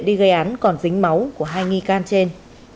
đi gây án còn dính máu của hai nghi can trên